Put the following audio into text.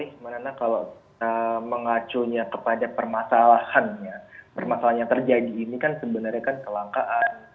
ini sebenarnya kalau mengacunya kepada permasalahannya permasalahan yang terjadi ini kan sebenarnya kan kelangkaan